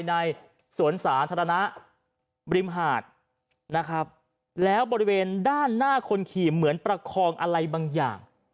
ในสวนสาธารณะริมหาดนะครับแล้วบริเวณด้านหน้าคนขี่เหมือนประคองอะไรบางอย่าง